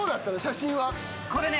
これね